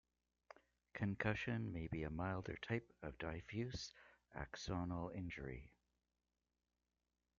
Concussion may be a milder type of diffuse axonal injury.